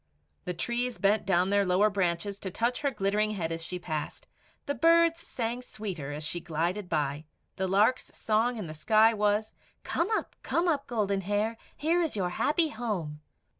The trees bent down their lower branches to touch her glittering head as she passed; the birds sang sweeter as she glided by. The lark's song in the sky was "Come up, come up, Golden Hair; here is your happy home."